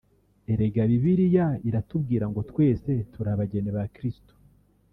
Erega Bibiliya iratubwira ngo twese turi abageni ba Kristo